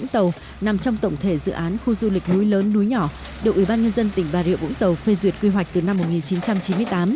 bốn tàu nằm trong tổng thể dự án khu du lịch núi lớn núi nhỏ được ubnd tỉnh bà rịa vũng tàu phê duyệt quy hoạch từ năm một nghìn chín trăm chín mươi tám